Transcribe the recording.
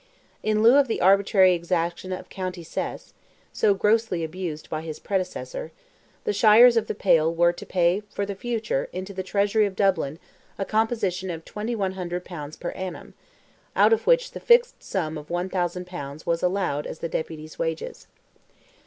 In lieu of the arbitrary exaction of county cess—so grossly abused by his predecessor—the shires of the Pale were to pay for the future into the Treasury of Dublin a composition of 2,100 pounds per annum, out of which the fixed sum of 1,000 pounds was allowed as the Deputy's wages.